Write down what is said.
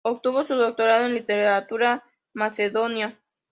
Obtuvo su doctorado en literatura Macedonia.